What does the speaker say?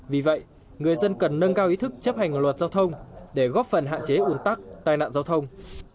vì vậy người dân cần nâng cao ý thức chấp hành của luật giao thông để góp phần hạn chế ủn tắc tai nạn giao thông